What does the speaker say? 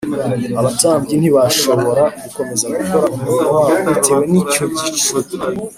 Abatambyi ntibashobora gukomeza gukora umurimo wabo bitewe n icyo gicu